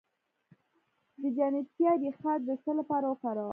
د جنتیانا ریښه د څه لپاره وکاروم؟